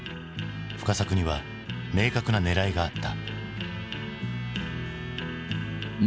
深作には明確なねらいがあった。